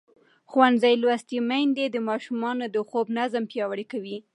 ښوونځې لوستې میندې د ماشومانو د خوب نظم پیاوړی کوي.